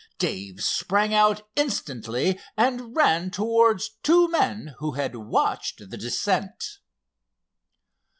Dave sprang out instantly and ran towards two men who had watched the descent.